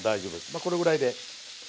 まあこのぐらいで。